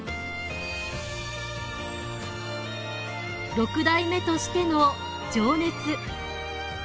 ６代目としての情熱。